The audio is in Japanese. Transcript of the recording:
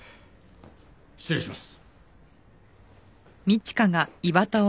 失礼します。